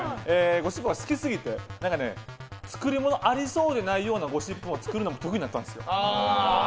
ゴシップが好きすぎてありそうでないようなゴシップを作るのも得意になったんですよ。